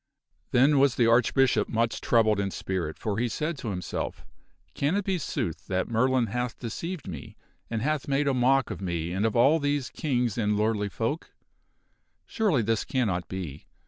Then was the Archbishop much troubled in spirit, for he said to himself, " Can it be sooth that Merlin hath deceived me, and hath made a mock of me and of all these kings and lordly folk ? Surely this cannot be.